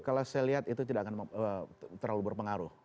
kalau saya lihat itu tidak akan terlalu berpengaruh